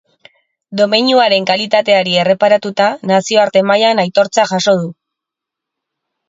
Domeinuaren kalitateari erreparatuta, nazioarte mailan aitortza jaso du.